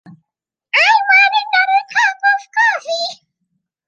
I want another cup of coffee.